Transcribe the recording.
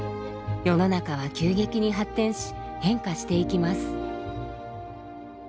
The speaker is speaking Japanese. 世の中は急激に発展し変化していきます。